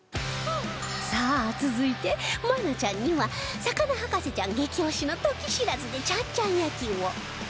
さあ続いて愛菜ちゃんには魚博士ちゃん激推しのトキシラズでちゃんちゃん焼きを